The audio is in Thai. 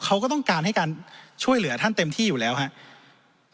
เขาก็ต้องการให้การช่วยเหลือท่านเต็มที่อยู่แล้วครับ